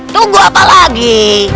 tunggu apa lagi